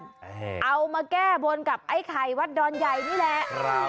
แหงเอามาแก้บนกับไอ้ไขวัดดอนใหญ่นี่แหละ